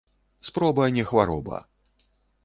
Спроба не хвароба